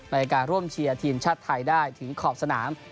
ในการร่วมเชียร์ทีมชาติไทยได้ถึงขอบสนาม